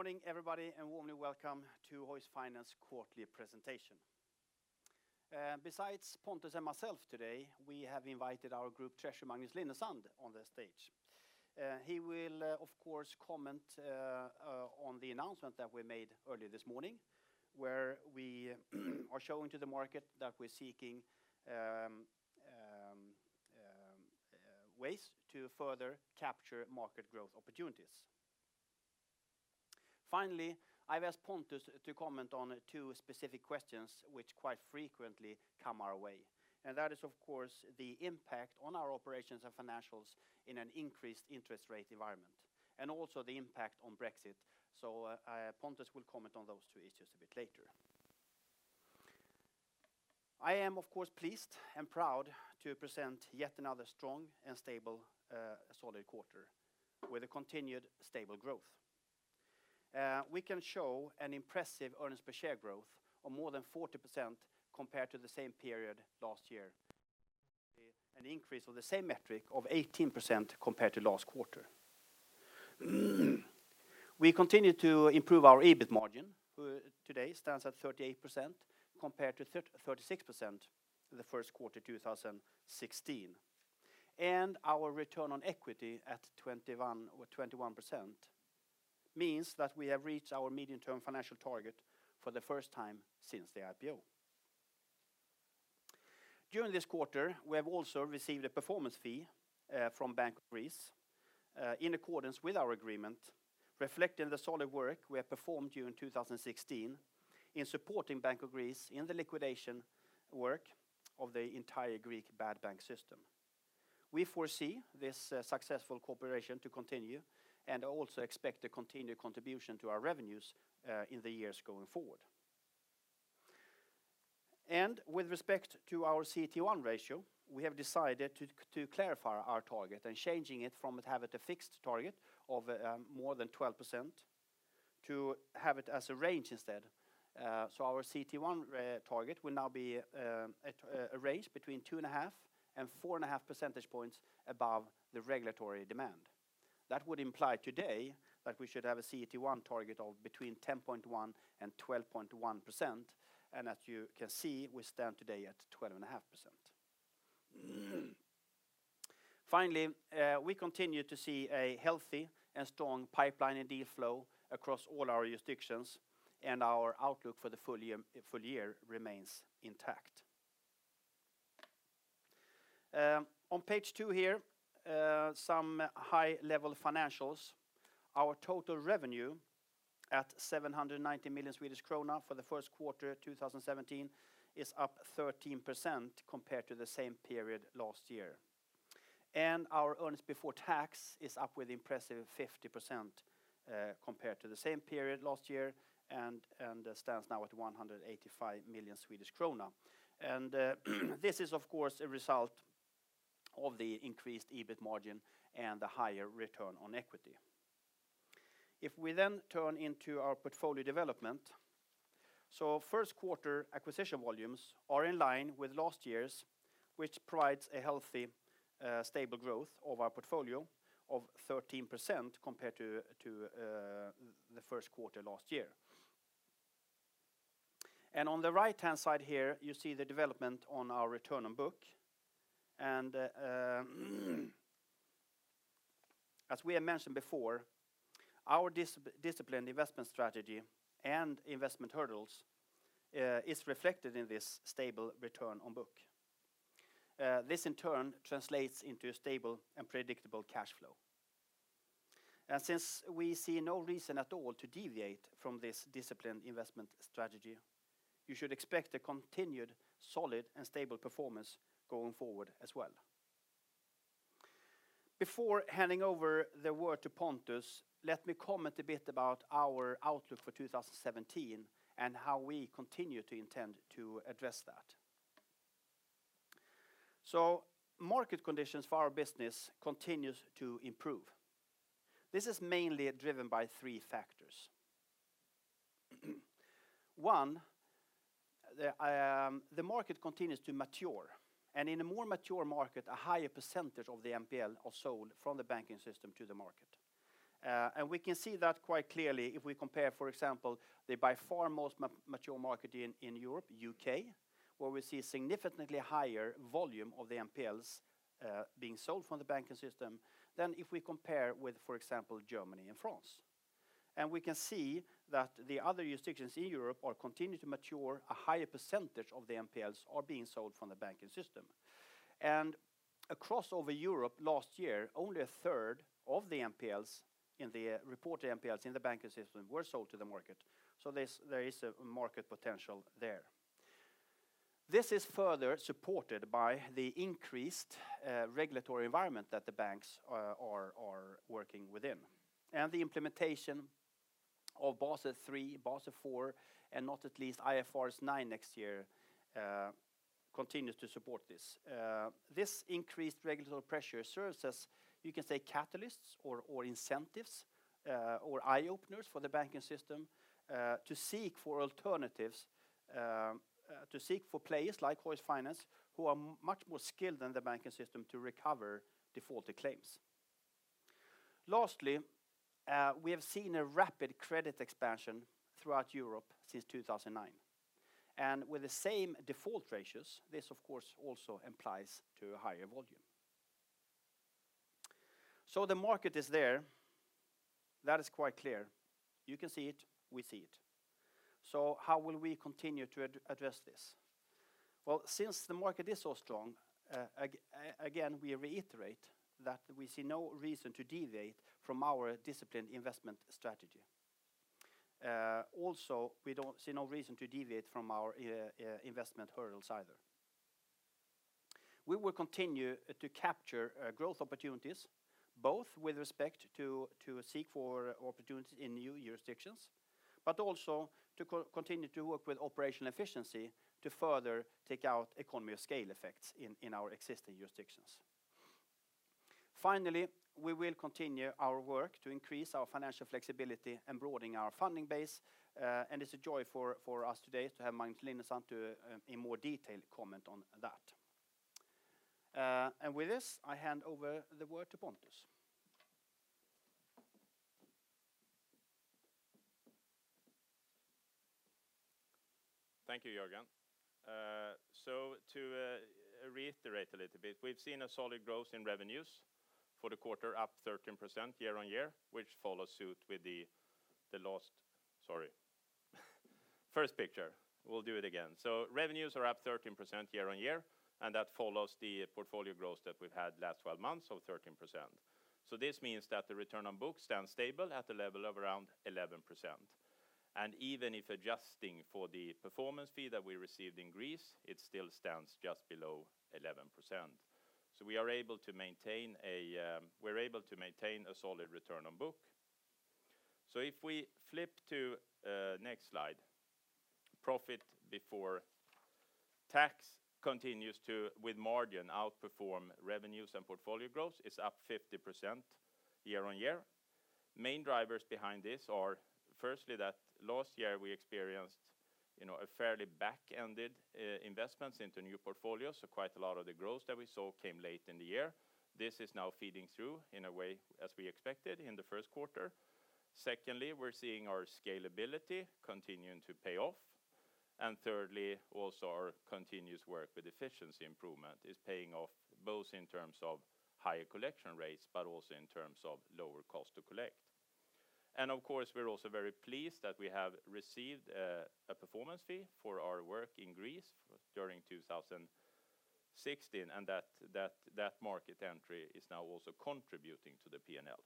Good morning, everybody, and warmly welcome to Hoist Finance quarterly presentation. Besides Pontus and myself today, we have invited our Group Treasurer, Magnus Linnésand, on the stage. He will, of course, comment on the announcement that we made earlier this morning, where we are showing to the market that we're seeking ways to further capture market growth opportunities. Finally, I've asked Pontus to comment on two specific questions which quite frequently come our way, that is, of course, the impact on our operations and financials in an increased interest rate environment, and also the impact on Brexit. Pontus will comment on those two issues a bit later. I am, of course, pleased and proud to present yet another strong and stable, solid quarter with a continued stable growth. We can show an impressive earnings per share growth of more than 40% compared to the same period last year, an increase of the same metric of 18% compared to last quarter. We continue to improve our EBIT margin, today stands at 38% compared to 36% the first quarter 2016. Our return on equity at 21% means that we have reached our medium-term financial target for the first time since the IPO. During this quarter, we have also received a performance fee from Bank of Greece in accordance with our agreement, reflecting the solid work we have performed during 2016 in supporting Bank of Greece in the liquidation work of the entire Greek bad bank system. We foresee this successful cooperation to continue and also expect a continued contribution to our revenues in the years going forward. With respect to our CET1 ratio, we have decided to clarify our target and changing it from to have it a fixed target of more than 12% to have it as a range instead. Our CET1 target will now be a range between two and a half and four and a half percentage points above the regulatory demand. That would imply today that we should have a CET1 target of between 10.1% and 12.1%. As you can see, we stand today at 12.5%. Finally, we continue to see a healthy and strong pipeline and deal flow across all our jurisdictions, and our outlook for the full year remains intact. On page two here, some high-level financials. Our total revenue at 790 million Swedish krona for the first quarter 2017 is up 13% compared to the same period last year. Our earnings before tax is up with impressive 50% compared to the same period last year and stands now at 185 million Swedish krona. This is, of course, a result of the increased EBIT margin and the higher return on equity. If we then turn into our portfolio development. First quarter acquisition volumes are in line with last year's, which provides a healthy, stable growth of our portfolio of 13% compared to the first quarter last year. On the right-hand side here, you see the development on our return on book. As we have mentioned before, our disciplined investment strategy and investment hurdles is reflected in this stable return on book. This in turn translates into a stable and predictable cash flow. Since we see no reason at all to deviate from this disciplined investment strategy, you should expect a continued solid and stable performance going forward as well. Before handing over the word to Pontus, let me comment a bit about our outlook for 2017 and how we continue to intend to address that. Market conditions for our business continues to improve. This is mainly driven by three factors. One, the market continues to mature, and in a more mature market, a higher percentage of the NPL are sold from the banking system to the market. We can see that quite clearly if we compare, for example, the by far most mature market in Europe, U.K., where we see significantly higher volume of the NPLs being sold from the banking system than if we compare with, for example, Germany and France. We can see that the other jurisdictions in Europe are continuing to mature. A higher percentage of the NPLs are being sold from the banking system. Across over Europe last year, only a third of the reported NPLs in the banking system were sold to the market. There is a market potential there. This is further supported by the increased regulatory environment that the banks are working within. The implementation of Basel III, Basel IV, and not at least IFRS 9 next year continues to support this. This increased regulatory pressure serves as, you can say, catalysts or incentives or eye-openers for the banking system to seek for alternatives, to seek for players like Hoist Finance, who are much more skilled than the banking system to recover defaulted claims. Lastly, we have seen a rapid credit expansion throughout Europe since 2009. With the same default ratios, this of course also implies to a higher volume. The market is there. That is quite clear. You can see it, we see it. How will we continue to address this? Well, since the market is so strong, again, we reiterate that we see no reason to deviate from our disciplined investment strategy. Also, we don't see no reason to deviate from our investment hurdles either. We will continue to capture growth opportunities, both with respect to seek for opportunities in new jurisdictions, but also to continue to work with operational efficiency to further take out economy of scale effects in our existing jurisdictions. Finally, we will continue our work to increase our financial flexibility and broadening our funding base. It's a joy for us today to have Magnus Linnésand to, in more detail, comment on that. With this, I hand over the word to Pontus. Thank you, Jörgen. To reiterate a little bit, we've seen a solid growth in revenues for the quarter up 13% year on year. Revenues are up 13% year on year, and that follows the portfolio growth that we've had last 12 months of 13%. This means that the return on book stands stable at the level of around 11%. Even if adjusting for the performance fee that we received in Greece, it still stands just below 11%. We're able to maintain a solid return on book. If we flip to the next slide, profit before tax continues to, with margin, outperform revenues and portfolio growth. It's up 50% year on year. Main drivers behind this are firstly that last year we experienced a fairly back-ended investments into new portfolios. Quite a lot of the growth that we saw came late in the year. This is now feeding through in a way as we expected in the first quarter. Secondly, we're seeing our scalability continuing to pay off. Thirdly, also our continuous work with efficiency improvement is paying off, both in terms of higher collection rates, but also in terms of lower cost to collect. Of course, we're also very pleased that we have received a performance fee for our work in Greece during 2016 and that market entry is now also contributing to the P&L.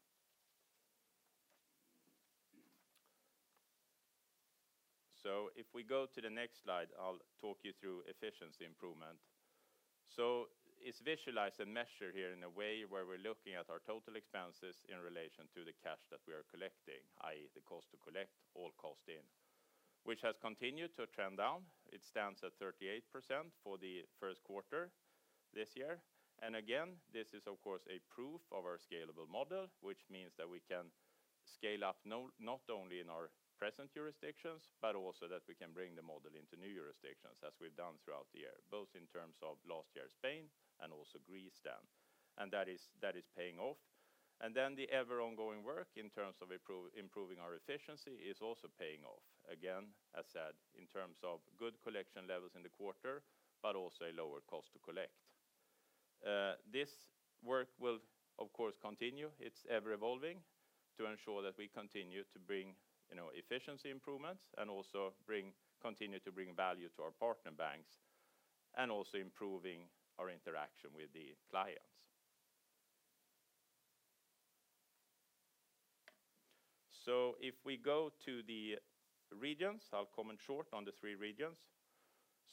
If we go to the next slide, I'll talk you through efficiency improvement. It's visualized and measured here in a way where we're looking at our total expenses in relation to the cash that we are collecting, i.e. the cost to collect all cost in, which has continued to trend down. It stands at 38% for the first quarter this year. Again, this is of course a proof of our scalable model, which means that we can scale up not only in our present jurisdictions, but also that we can bring the model into new jurisdictions as we've done throughout the year, both in terms of last year's Spain and also Greece then. That is paying off. Then the ever ongoing work in terms of improving our efficiency is also paying off, again, as said, in terms of good collection levels in the quarter, but also a lower cost to collect. This work will, of course, continue. It's ever-evolving to ensure that we continue to bring efficiency improvements and also continue to bring value to our partner banks and also improving our interaction with the clients. If we go to the regions, I'll comment short on the three regions.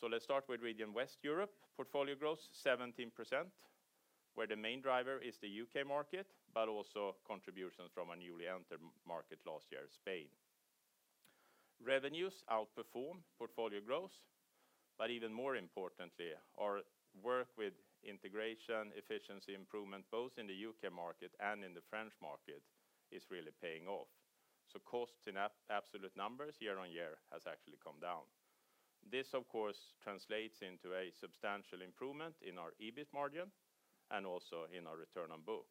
Let's start with region West Europe. Portfolio growth is 17%, where the main driver is the U.K. market, but also contributions from a newly entered market last year, Spain. Revenues outperform portfolio growth, but even more importantly, our work with integration efficiency improvement, both in the U.K. market and in the French market, is really paying off. Costs in absolute numbers year on year has actually come down. This, of course, translates into a substantial improvement in our EBIT margin and also in our return on book,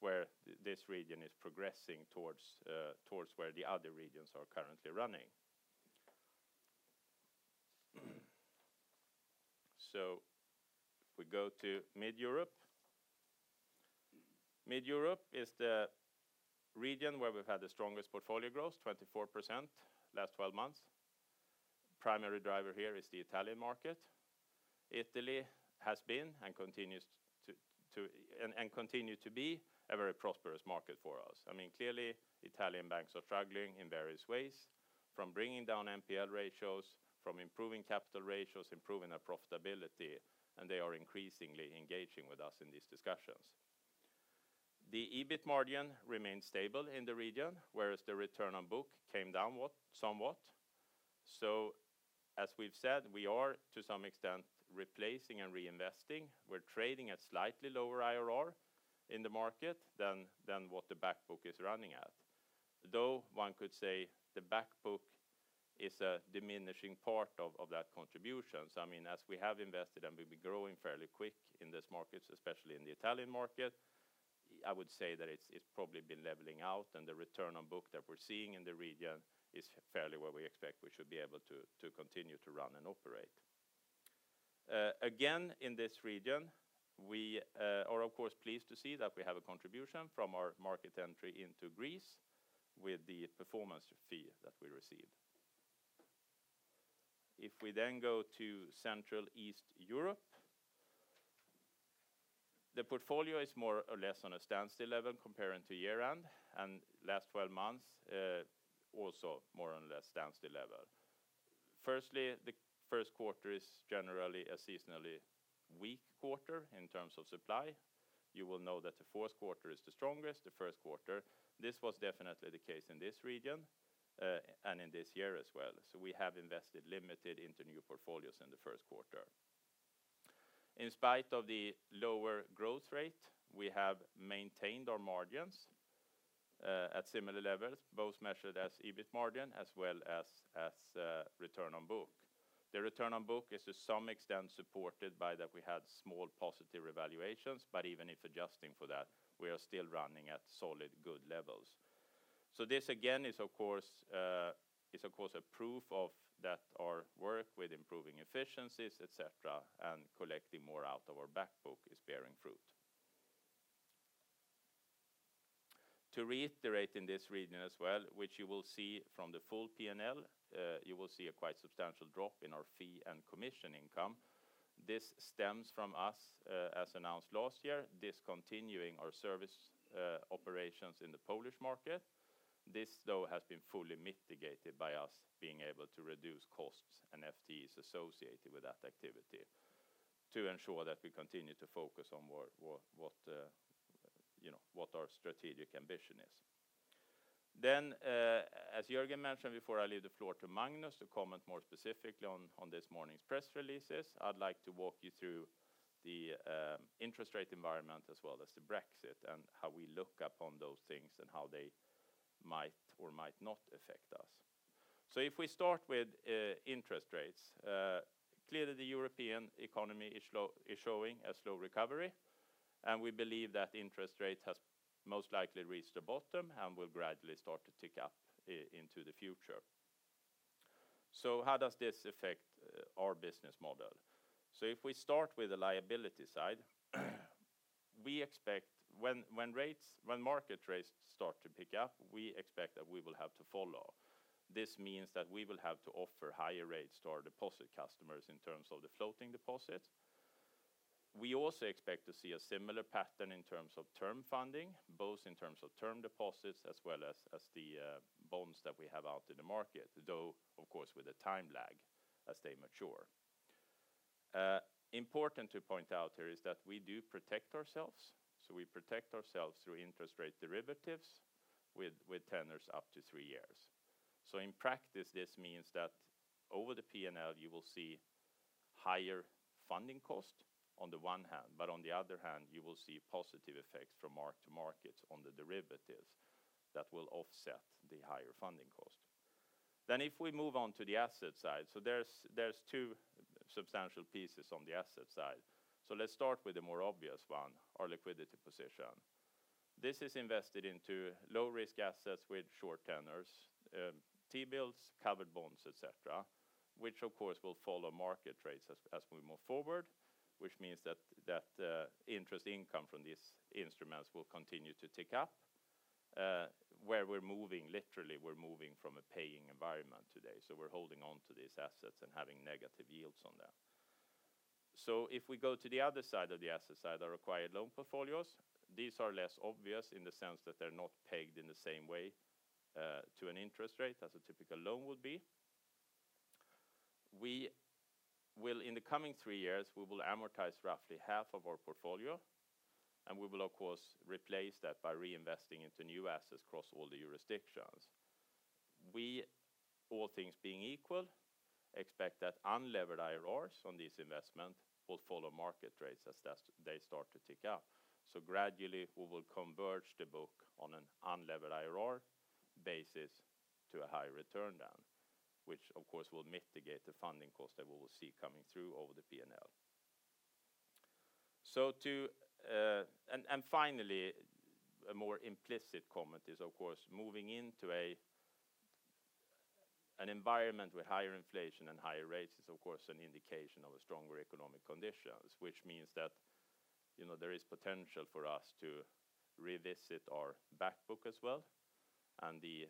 where this region is progressing towards where the other regions are currently running. We go to Mid Europe. Mid Europe is the region where we've had the strongest portfolio growth, 24% last 12 months. Primary driver here is the Italian market. Italy has been and continue to be a very prosperous market for us. Clearly, Italian banks are struggling in various ways, from bringing down NPL ratios, from improving capital ratios, improving their profitability, and they are increasingly engaging with us in these discussions. The EBIT margin remains stable in the region, whereas the return on book came down somewhat. As we've said, we are to some extent replacing and reinvesting. We're trading at slightly lower IRR in the market than what the back book is running at. Though one could say the back book is a diminishing part of that contribution. As we have invested and we've been growing fairly quick in these markets, especially in the Italian market, I would say that it's probably been leveling out and the return on book that we're seeing in the region is fairly what we expect we should be able to continue to run and operate. Again, in this region, we are of course pleased to see that we have a contribution from our market entry into Greece with the performance fee that we received. If we then go to Central-East Europe, the portfolio is more or less on a standstill level comparing to year-end, and last 12 months, also more or less standstill level. Firstly, the first quarter is generally a seasonally weak quarter in terms of supply. You will know that the fourth quarter is the strongest, the first quarter. This was definitely the case in this region, and in this year as well. We have invested limited into new portfolios in the first quarter. In spite of the lower growth rate, we have maintained our margins at similar levels, both measured as EBIT margin as well as return on book. The return on book is to some extent supported by that we had small positive evaluations, but even if adjusting for that, we are still running at solid, good levels. This again is of course a proof of that our work with improving efficiencies, et cetera, and collecting more out of our back book is bearing fruit. To reiterate in this region as well, which you will see from the full P&L, you will see a quite substantial drop in our fee and commission income. This stems from us, as announced last year, discontinuing our service operations in the Polish market. This though has been fully mitigated by us being able to reduce costs and FTEs associated with that activity to ensure that we continue to focus on what our strategic ambition is. As Jörgen mentioned before, I leave the floor to Magnus to comment more specifically on this morning's press releases. I'd like to walk you through the interest rate environment as well as the Brexit and how we look upon those things and how they might or might not affect us. If we start with interest rates, clearly the European economy is showing a slow recovery, and we believe that interest rates has most likely reached the bottom and will gradually start to tick up into the future. How does this affect our business model? If we start with the liability side, when market rates start to pick up, we expect that we will have to follow. This means that we will have to offer higher rates to our deposit customers in terms of the floating deposits. We also expect to see a similar pattern in terms of term funding, both in terms of term deposits as well as the bonds that we have out in the market, though of course with a time lag as they mature. Important to point out here is that we do protect ourselves. We protect ourselves through interest rate derivatives with tenors up to three years. In practice, this means that over the P&L, you will see higher funding cost on the one hand, but on the other hand, you will see positive effects from mark to market on the derivatives that will offset the higher funding cost. If we move on to the asset side, there's two substantial pieces on the asset side. Let's start with the more obvious one, our liquidity position. This is invested into low risk assets with short tenors, T-bills, covered bonds, et cetera, which of course will follow market rates as we move forward, which means that interest income from these instruments will continue to tick up, where we're moving literally from a paying environment today. We're holding onto these assets and having negative yields on them. If we go to the other side of the asset side, our acquired loan portfolios, these are less obvious in the sense that they're not pegged in the same way to an interest rate as a typical loan would be. In the coming three years, we will amortize roughly half of our portfolio, and we will of course replace that by reinvesting into new assets across all the jurisdictions. We, all things being equal, expect that unlevered IRRs on this investment will follow market rates as they start to tick up. Gradually we will converge the book on an unlevered IRR basis to a high return then, which of course will mitigate the funding cost that we will see coming through over the P&L. Finally, a more implicit comment is of course moving into an environment with higher inflation and higher rates is of course an indication of a stronger economic conditions, which means that there is potential for us to revisit our back book as well, and the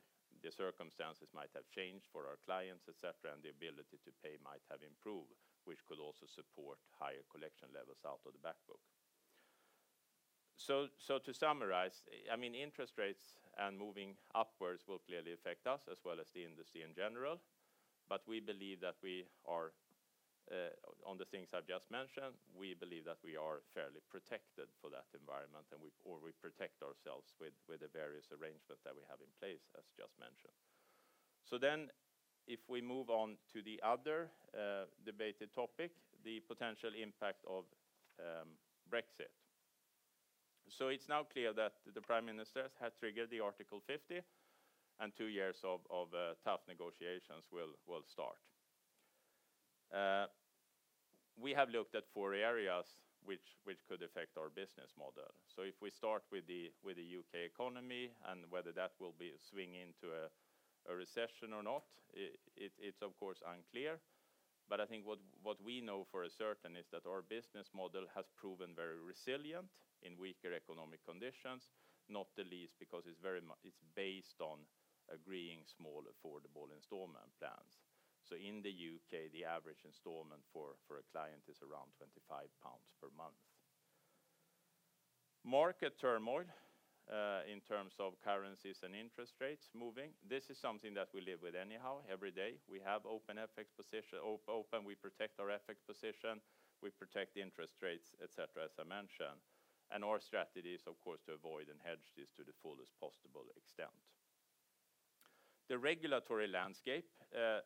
circumstances might have changed for our clients, et cetera, and the ability to pay might have improved, which could also support higher collection levels out of the back book. To summarize, interest rates and moving upwards will clearly affect us as well as the industry in general, but we believe that we are on the things I've just mentioned, we believe that we are fairly protected for that environment or we protect ourselves with the various arrangements that we have in place, as just mentioned. If we move on to the other debated topic, the potential impact of Brexit. It's now clear that the prime minister has triggered the Article 50, and two years of tough negotiations will start. We have looked at four areas which could affect our business model. If we start with the U.K. economy and whether that will swing into a recession or not, it's of course unclear. I think what we know for certain is that our business model has proven very resilient in weaker economic conditions, not the least because it's based on agreeing small, affordable installment plans. In the U.K., the average installment for a client is around 25 pounds per month. Market turmoil in terms of currencies and interest rates moving. This is something that we live with anyhow every day. We protect our FX position, we protect interest rates, et cetera, as I mentioned. Our strategy is, of course, to avoid and hedge this to the fullest possible extent. The regulatory landscape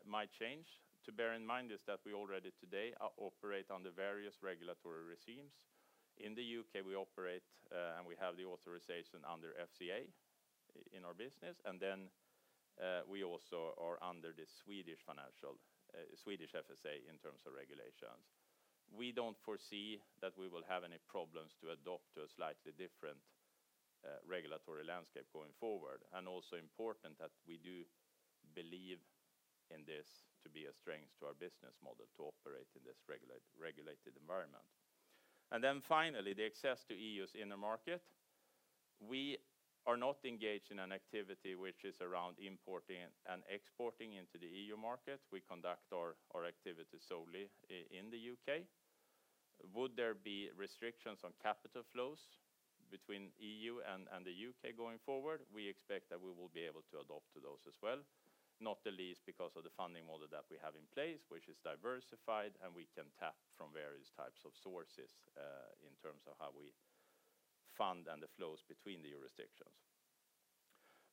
might change. To bear in mind is that we already today operate under various regulatory regimes. In the U.K., we operate and we have the authorization under FCA in our business, and we also are under the Swedish FSA in terms of regulations. We don't foresee that we will have any problems to adopt a slightly different regulatory landscape going forward. Also important that we do believe in this to be a strength to our business model to operate in this regulated environment. Finally, the access to EU's inner market. We are not engaged in an activity which is around importing and exporting into the EU market. We conduct our activities solely in the U.K. Would there be restrictions on capital flows between EU and the U.K. going forward? We expect that we will be able to adopt to those as well. Not the least because of the funding model that we have in place, which is diversified, and we can tap from various types of sources in terms of how we fund and the flows between the jurisdictions.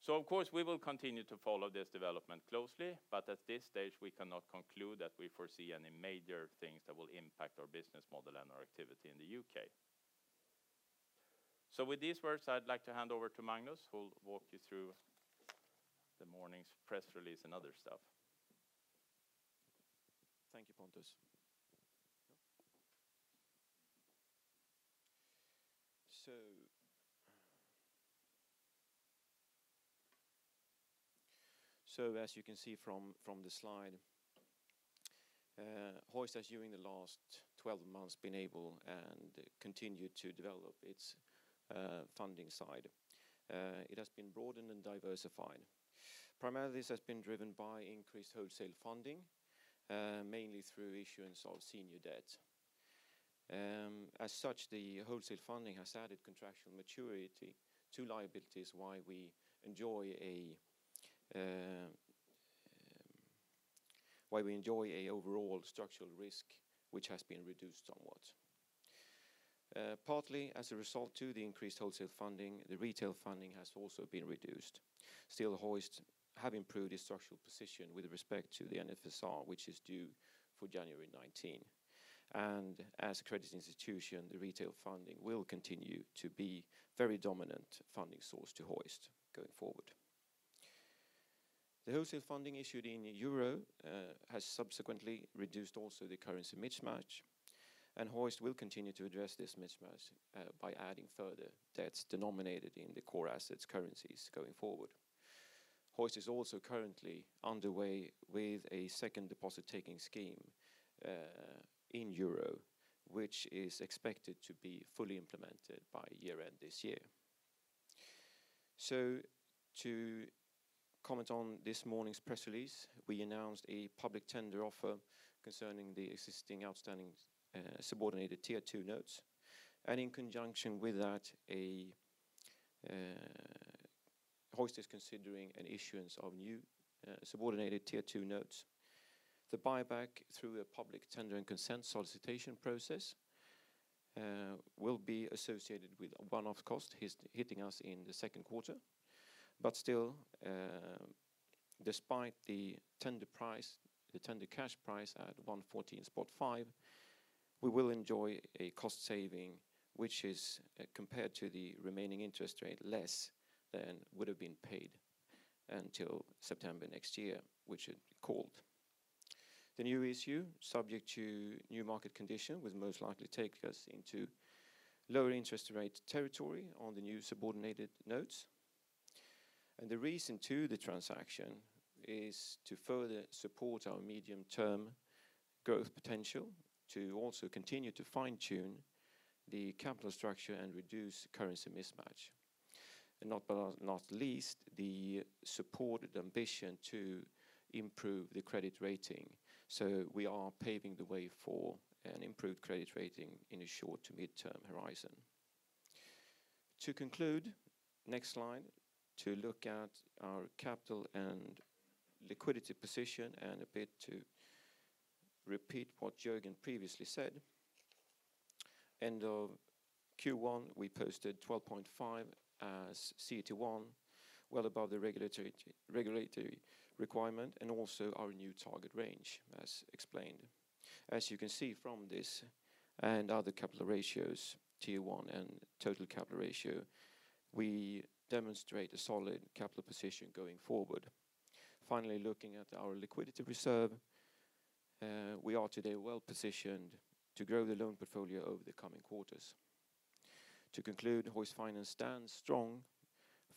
Of course, we will continue to follow this development closely, but at this stage we cannot conclude that we foresee any major things that will impact our business model and our activity in the U.K. With these words, I'd like to hand over to Magnus, who'll walk you through the morning's press release and other stuff. Thank you, Pontus. As you can see from the slide, Hoist has during the last 12 months been able and continued to develop its funding side. It has been broadened and diversified. Primarily, this has been driven by increased wholesale funding, mainly through issuance of senior debt. As such, the wholesale funding has added contractual maturity to liabilities, why we enjoy a overall structural risk which has been reduced somewhat. Partly as a result to the increased wholesale funding, the retail funding has also been reduced. Still, Hoist have improved its structural position with respect to the NSFR which is due for January 19. As a credit institution, the retail funding will continue to be very dominant funding source to Hoist going forward. The wholesale funding issued in EUR has subsequently reduced also the currency mismatch, Hoist will continue to address this mismatch by adding further debts denominated in the core assets currencies going forward. Hoist is also currently underway with a second deposit-taking scheme in EUR, which is expected to be fully implemented by year-end this year. To comment on this morning's press release, we announced a public tender offer concerning the existing outstanding subordinated Tier 2 notes, and in conjunction with that, Hoist is considering an issuance of new subordinated Tier 2 notes. The buyback through a public tender and consent solicitation process will be associated with a one-off cost hitting us in the second quarter. Still, despite the tender cash price at 114.5, we will enjoy a cost saving, which is compared to the remaining interest rate, less than would have been paid until September next year, which it called. The new issue, subject to new market condition, will most likely take us into lower interest rate territory on the new subordinated notes. The reason to the transaction is to further support our medium-term growth potential, to also continue to fine-tune the capital structure and reduce currency mismatch, and not least, the supported ambition to improve the credit rating. We are paving the way for an improved credit rating in a short to midterm horizon. To conclude, next slide, to look at our capital and liquidity position and a bit to repeat what Jörgen previously said. End of Q1, we posted 12.5% as CET1, well above the regulatory requirement and also our new target range, as explained. As you can see from this and other capital ratios, Tier 1 and total capital ratio, we demonstrate a solid capital position going forward. Finally, looking at our liquidity reserve, we are today well-positioned to grow the loan portfolio over the coming quarters. To conclude, Hoist Finance stands strong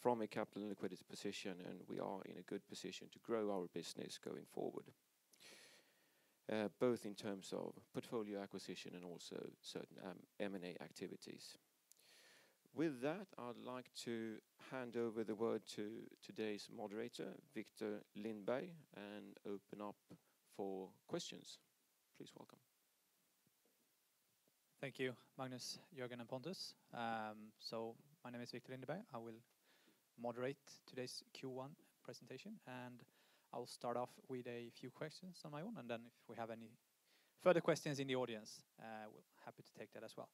from a capital and liquidity position, and we are in a good position to grow our business going forward, both in terms of portfolio acquisition and also certain M&A activities. With that, I'd like to hand over the word to today's moderator, Victor Lindberg, and open up for questions. Please welcome. Thank you, Magnus, Jörgen, and Pontus. My name is Victor Lindberg. I will moderate today's Q1 presentation, I will start off with a few questions on my own, if we have any further questions in the audience, we're happy to take that as well.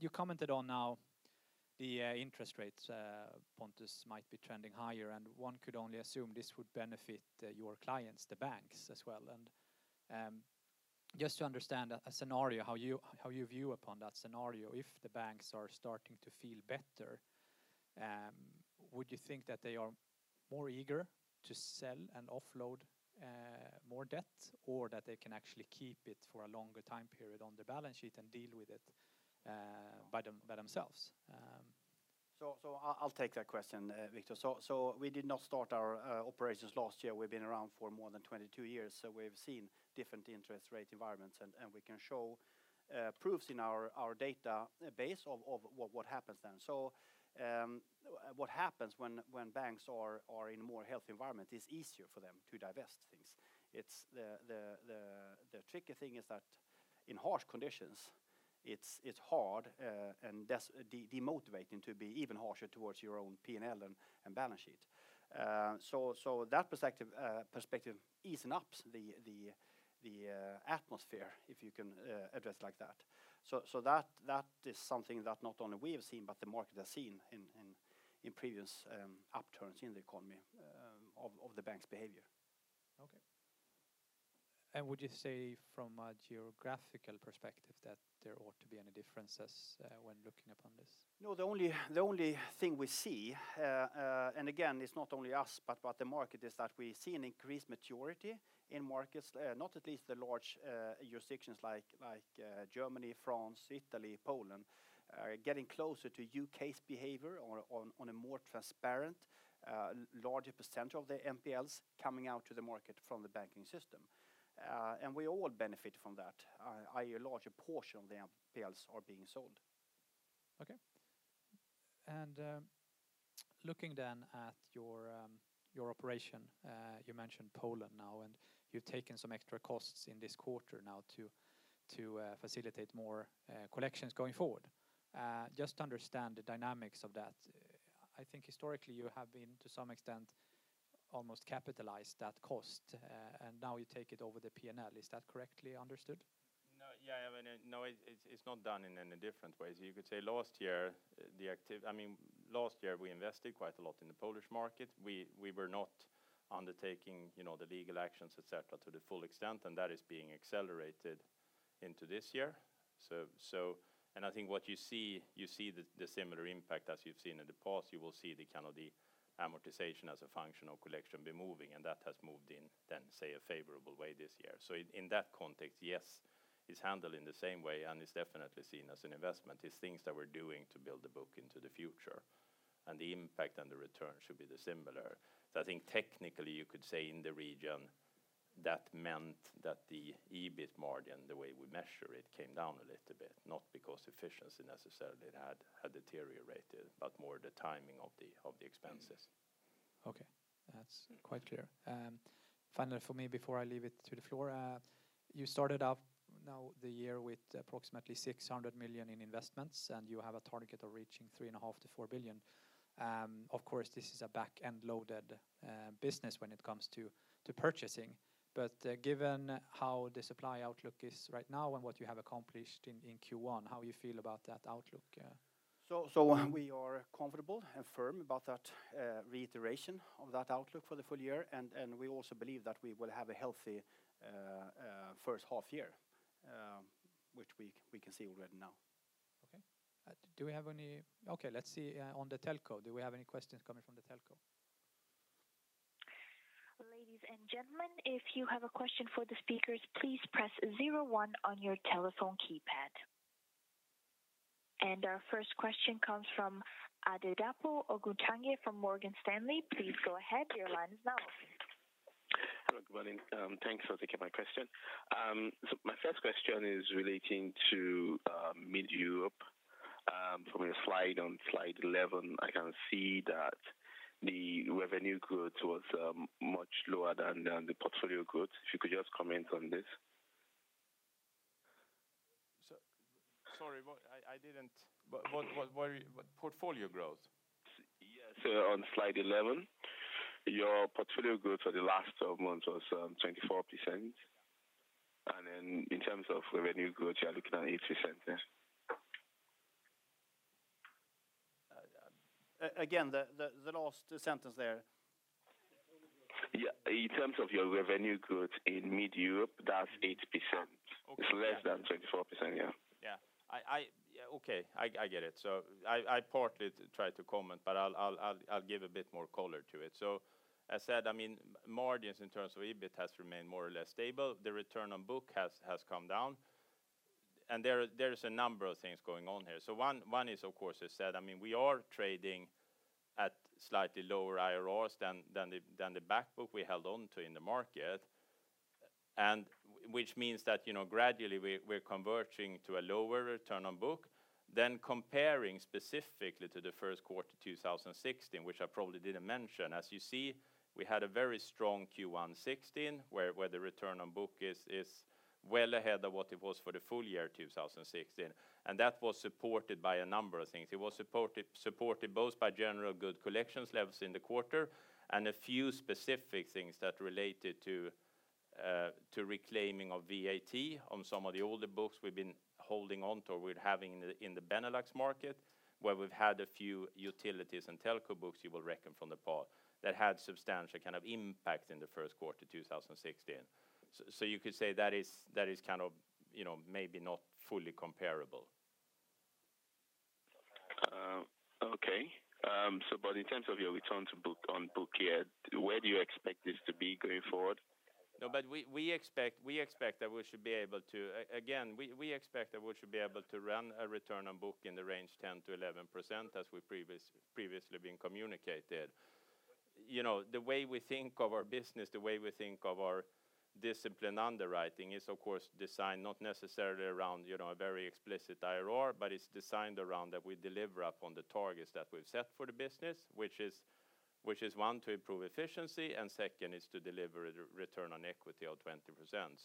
You commented on how the interest rates, Pontus, might be trending higher, one could only assume this would benefit your clients, the banks as well. Just to understand a scenario, how you view upon that scenario, if the banks are starting to feel better, would you think that they are more eager to sell and offload more debt, or that they can actually keep it for a longer time period on the balance sheet and deal with it by themselves? I'll take that question, Victor. We did not start our operations last year. We've been around for more than 22 years, we can show proofs in our database of what happens then. What happens when banks are in a more healthy environment, it's easier for them to divest things. The tricky thing is that in harsh conditions, it's hard and demotivating to be even harsher towards your own P&L and balance sheet. That perspective easens up the atmosphere if you can address like that. That is something that not only we have seen, but the market has seen in previous upturns in the economy of the bank's behavior. Okay. Would you say from a geographical perspective that there ought to be any differences when looking upon this? No, the only thing we see, and again, it's not only us, but the market, is that we see an increased maturity in markets. Not at least the large jurisdictions like Germany, France, Italy, Poland are getting closer to U.K.'s behavior on a more transparent larger percentage of the NPLs coming out to the market from the banking system. We all benefit from that, i.e. a larger portion of the NPLs are being sold. Okay. Looking then at your operation, you mentioned Poland now, and you've taken some extra costs in this quarter now to facilitate more collections going forward. Just to understand the dynamics of that, I think historically you have been, to some extent, almost capitalized that cost, and now you take it over the P&L. Is that correctly understood? No, it is not done in any different ways. You could say last year we invested quite a lot in the Polish market. We were not undertaking the legal actions, et cetera, to the full extent, and that is being accelerated into this year. I think what you see, you see the similar impact as you have seen in the past. You will see the amortization as a function of collection be moving, and that has moved in, then say, a favorable way this year. In that context, yes, it is handled in the same way and it is definitely seen as an investment. It is things that we are doing to build the book into the future, and the impact and the return should be similar. I think technically you could say in the region that meant that the EBIT margin, the way we measure it, came down a little bit, not because efficiency necessarily had deteriorated, but more the timing of the expenses. Okay. That is quite clear. Finally, for me, before I leave it to the floor, you started off now the year with approximately 600 million in investments, and you have a target of reaching 3.5 billion-4 billion. Of course, this is a back-end loaded business when it comes to purchasing. Given how the supply outlook is right now and what you have accomplished in Q1, how you feel about that outlook? We are comfortable and firm about that reiteration of that outlook for the full year, and we also believe that we will have a healthy first half year which we can see already now. Okay. Do we have any questions coming from the telco? Ladies and gentlemen, if you have a question for the speakers, please press 01 on your telephone keypad. Our first question comes from Adedapo Oguntoye from Morgan Stanley. Please go ahead. Your line is now open. Hello. Good morning. Thanks for taking my question. My first question is relating to Mid Europe. From your slide on slide 11, I can see that the revenue growth was much lower than the portfolio growth. If you could just comment on this. Sorry, what? Portfolio growth? Yes. On slide 11, your portfolio growth for the last 12 months was 24%, and then in terms of revenue growth, you're looking at 8%. Again, the last sentence there. Yeah. In terms of your revenue growth in Mid Europe, that's 8%. Okay. It's less than 24%, yeah. Okay, I get it. I partly try to comment, but I'll give a bit more color to it. As said, margins in terms of EBIT has remained more or less stable. The return on book has come down, and there is a number of things going on here. One is of course, as said, we are trading at slightly lower IRRs than the back book we held onto in the market, which means that gradually we're converging to a lower return on book. Comparing specifically to the first quarter 2016, which I probably didn't mention, as you see, we had a very strong Q1 2016, where the return on book is well ahead of what it was for the full year 2016, and that was supported by a number of things. It was supported both by general good collections levels in the quarter and a few specific things that related to reclaiming of VAT on some of the older books we've been holding onto or we're having in the Benelux market, where we've had a few utilities and telco books you will reckon from the past that had substantial impact in the first quarter 2016. You could say that is maybe not fully comparable. Okay. In terms of your return to book on book year, where do you expect this to be going forward? Again, we expect that we should be able to run a return on book in the range 10%-11% as we previously been communicated. The way we think of our business, the way we think of our discipline underwriting is of course designed not necessarily around a very explicit IRR, but it's designed around that we deliver upon the targets that we've set for the business, which is one, to improve efficiency, and second is to deliver return on equity of 20%.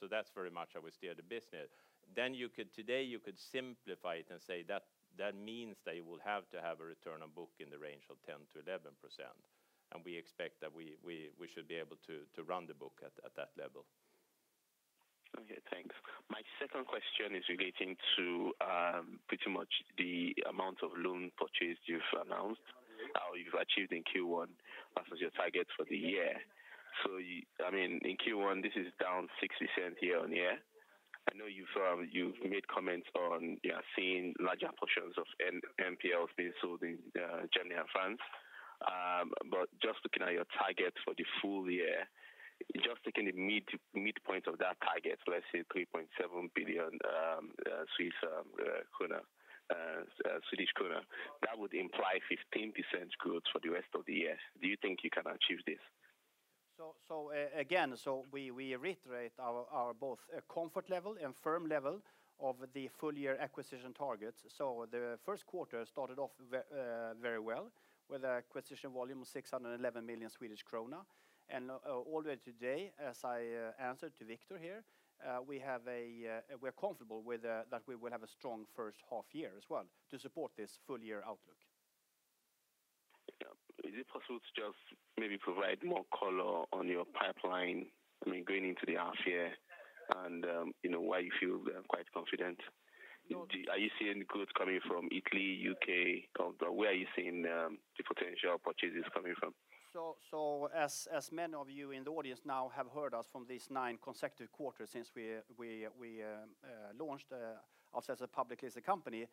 That's very much how we steer the business. Today you could simplify it and say that means that you will have to have a return on book in the range of 10%-11%, and we expect that we should be able to run the book at that level. Okay, thanks. My second question is relating to pretty much the amount of loan purchase you've announced, how you've achieved in Q1 versus your targets for the year. In Q1, this is down 60% year-over-year. I know you've made comments on you are seeing larger portions of NPLs being sold in Germany and France. Just looking at your targets for the full year, just taking the midpoint of that target, let's say 3.7 billion, that would imply 15% growth for the rest of the year. Do you think you can achieve this? Again, we reiterate our both comfort level and firm level of the full year acquisition targets. The first quarter started off very well with an acquisition volume of 611 million Swedish krona and all the way today as I answered to Victor here, we're comfortable with that we will have a strong first half year as well to support this full year outlook. Yeah. Is it possible to just maybe provide more color on your pipeline going into the half year and why you feel quite confident? No- Are you seeing growth coming from Italy, U.K., or where are you seeing the potential purchases coming from? As many of you in the audience now have heard us from these nine consecutive quarters since we launched ourselves as a publicly listed company,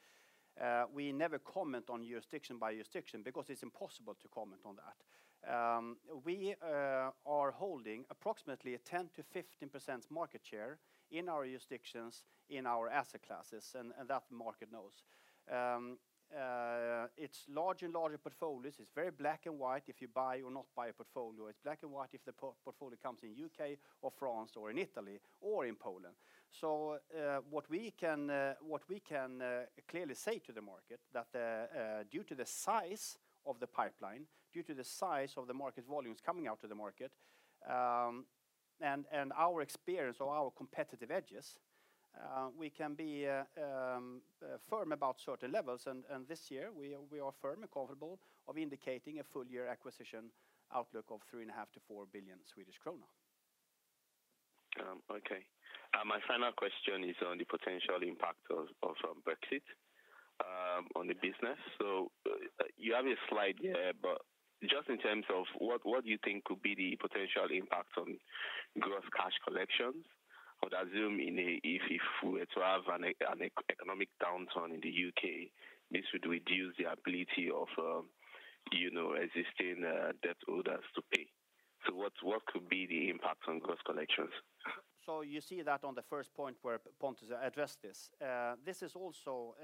we never comment on jurisdiction by jurisdiction because it's impossible to comment on that. We are holding approximately a 10%-15% market share in our jurisdictions, in our asset classes, and that market knows. It's large and larger portfolios. It's very black and white if you buy or not buy a portfolio. It's black and white if the portfolio comes in U.K. or France or in Italy or in Poland. What we can clearly say to the market, that due to the size of the pipeline, due to the size of the market volumes coming out to the market, and our experience or our competitive edges, we can be firm about certain levels and this year we are firm and comfortable of indicating a full year acquisition outlook of 3.5 billion-4 billion Swedish krona. Okay. My final question is on the potential impact of Brexit on the business. You have a slide here, but just in terms of what do you think could be the potential impact on gross cash collections? I would assume if we were to have an economic downturn in the U.K., this would reduce the ability of existing debt holders to pay. What could be the impact on gross collections? You see that on the first point where Pontus addressed this. This is also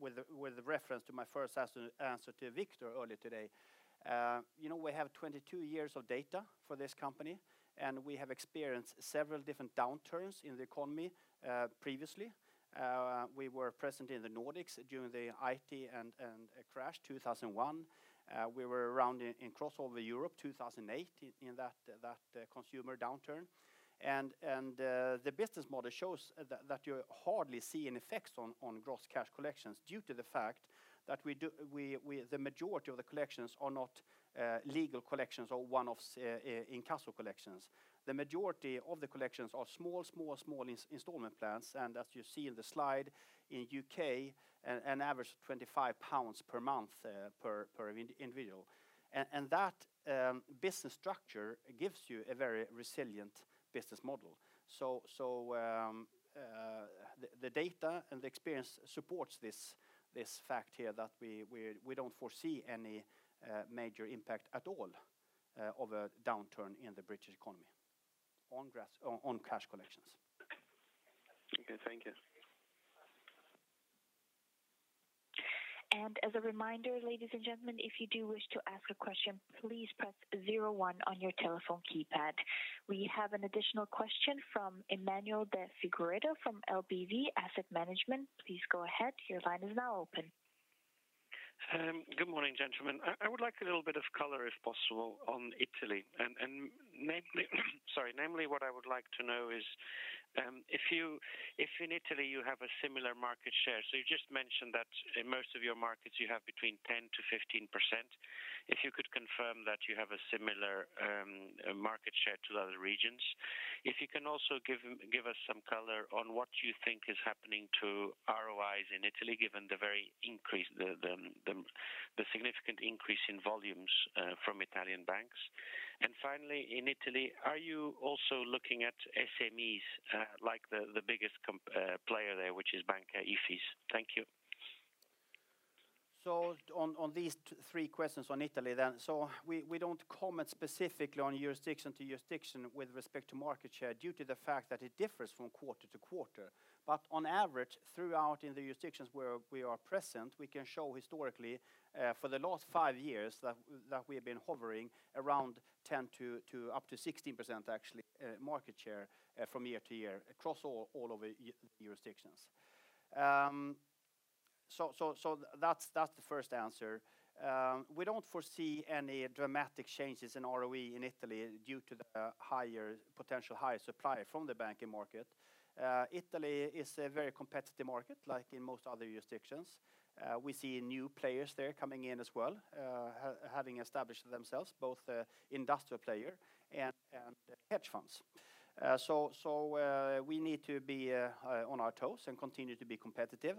with reference to my first answer to Victor earlier today. We have 22 years of data for this company, and we have experienced several different downturns in the economy previously. We were present in the Nordics during the IT crash 2001. We were around in Crossover Europe 2008 in that consumer downturn. The business model shows that you hardly see an effect on gross cash collections due to the fact that the majority of the collections are not legal collections or one-offs in-house collections. The majority of the collections are small installment plans, and as you see in the slide, in the U.K., an average 25 pounds per month per individual. That business structure gives you a very resilient business model. The data and the experience supports this fact here that we don't foresee any major impact at all of a downturn in the British economy on cash collections. Okay, thank you. As a reminder, ladies and gentlemen, if you do wish to ask a question, please press 01 on your telephone keypad. We have an additional question from Emmanuel de Figueiredo from LBV Asset Management. Please go ahead. Your line is now open. Good morning, gentlemen. I would like a little bit of color, if possible, on Italy. Namely what I would like to know is if in Italy you have a similar market share. You just mentioned that in most of your markets you have between 10%-15%. If you could confirm that you have a similar market share to the other regions. If you can also give us some color on what you think is happening to ROIs in Italy, given the significant increase in volumes from Italian banks. Finally, in Italy, are you also looking at SMEs, like the biggest player there, which is Banca Ifis? Thank you. On these three questions on Italy. We don't comment specifically on jurisdiction to jurisdiction with respect to market share, due to the fact that it differs from quarter to quarter. On average, throughout in the jurisdictions where we are present, we can show historically, for the last five years, that we have been hovering around 10% to up to 16% actually, market share from year to year across all of the jurisdictions. That's the first answer. We don't foresee any dramatic changes in ROE in Italy due to the potential higher supply from the banking market. Italy is a very competitive market like in most other jurisdictions. We see new players there coming in as well, having established themselves, both industrial player and hedge funds. We need to be on our toes and continue to be competitive.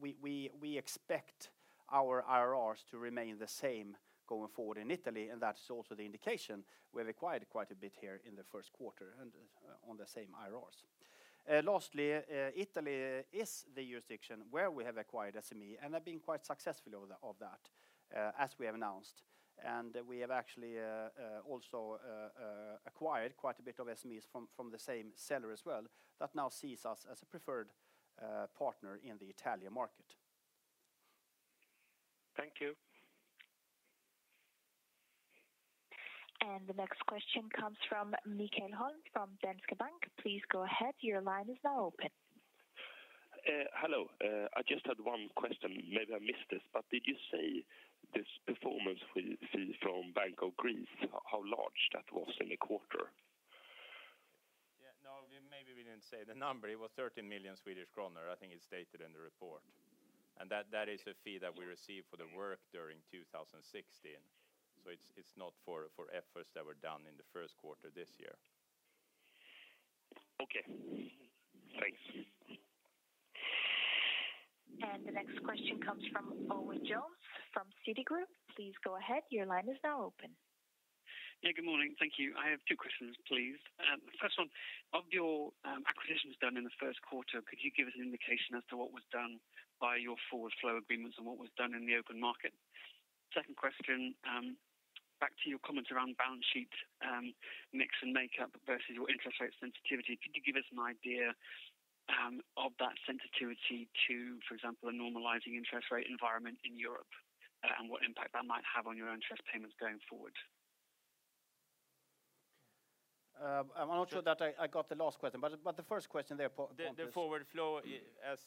We expect our IRRs to remain the same going forward in Italy, and that is also the indication we've acquired quite a bit here in the first quarter and on the same IRRs. Lastly, Italy is the jurisdiction where we have acquired SME and have been quite successful of that as we have announced. We have actually also acquired quite a bit of SMEs from the same seller as well that now sees us as a preferred partner in the Italian market. Thank you. The next question comes from Mikael Holm from Danske Bank. Please go ahead. Your line is now open. Hello. I just had one question. Maybe I missed this, but did you say this performance fee from Bank of Greece, how large that was in the quarter? Yeah. No, maybe we didn't say the number. It was 30 million Swedish kronor. I think it's stated in the report. That is a fee that we received for the work during 2016. It's not for efforts that were done in the first quarter this year. Okay. Thanks. The next question comes from Owen Jones from Citigroup. Please go ahead. Your line is now open. Good morning. Thank you. I have two questions, please. First one, of your acquisitions done in the first quarter, could you give us an indication as to what was done by your forward flow agreements and what was done in the open market? Second question, back to your comments around balance sheet mix and makeup versus your interest rate sensitivity. Could you give us an idea of that sensitivity to, for example, a normalizing interest rate environment in Europe and what impact that might have on your own interest payments going forward? I'm not sure that I got the last question, the first question there, Pontus. The forward flow,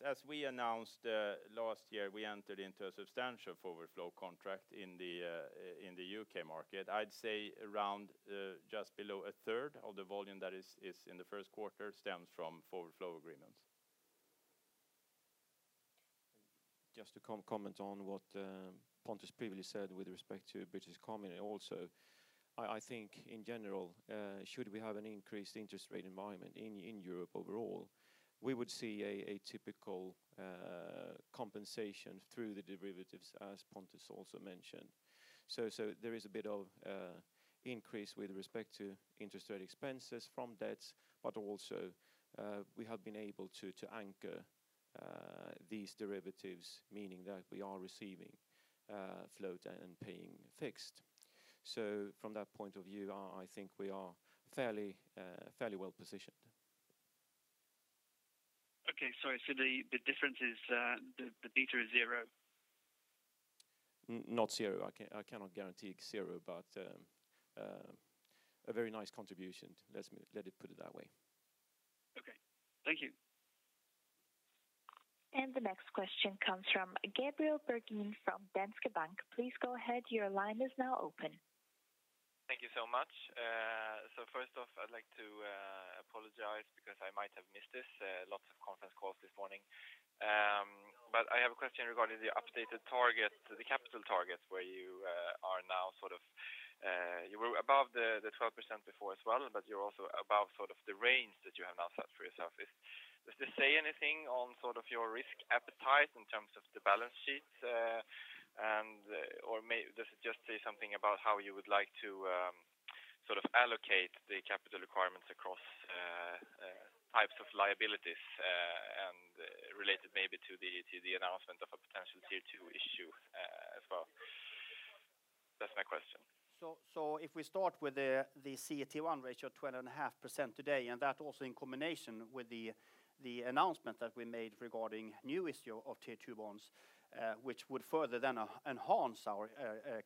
as we announced last year, we entered into a substantial forward flow contract in the U.K. market. I'd say around just below a third of the volume that is in the first quarter stems from forward flow agreements. Just to comment on what Pontus previously said with respect to British economy also. I think in general, should we have an increased interest rate environment in Europe overall, we would see a typical compensation through the derivatives as Pontus also mentioned. There is a bit of increase with respect to interest rate expenses from debts, but also we have been able to anchor these derivatives, meaning that we are receiving float and paying fixed. From that point of view, I think we are fairly well-positioned. Okay. Sorry. The difference is the beta is zero. Not zero. I cannot guarantee zero, but a very nice contribution. Let it put it that way. Okay. Thank you. The next question comes from Gabriel Bergin from Danske Bank. Please go ahead. Your line is now open. Thank you so much. First off, I'd like to apologize because I might have missed this. Lots of conference calls this morning. I have a question regarding the updated target, the capital target, where you are now sort of You were above the 12% before as well, but you're also above sort of the range that you have now set for yourself. Does this say anything on your risk appetite in terms of the balance sheet? Or does it just say something about how you would like to allocate the capital requirements across types of liabilities and related maybe to the announcement of a potential Tier 2 issue as well? That's my question. If we start with the CET1 ratio of 12.5% today, and that also in combination with the announcement that we made regarding new issue of Tier 2 bonds which would further then enhance our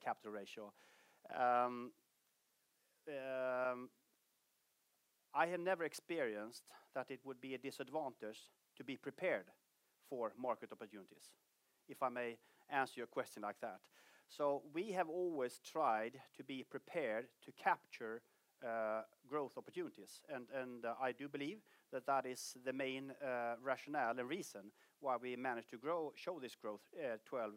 capital ratio. I have never experienced that it would be a disadvantage to be prepared for market opportunities, if I may answer your question like that. We have always tried to be prepared to capture growth opportunities, and I do believe that that is the main rationale and reason why we managed to show this growth 12